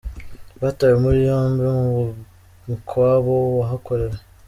Batawe muri yombi mu mukwabo wahakorewe.